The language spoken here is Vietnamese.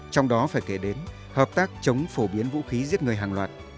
trong đó phải kể đến hợp tác chống phổ biến vũ khí giết người hàng loạt